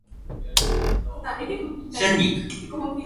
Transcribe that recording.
春菊